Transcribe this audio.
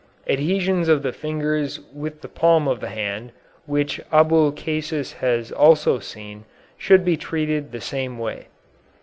Adhesions of the fingers with the palm of the hand, which Abulcasis has also seen, should be treated the same way.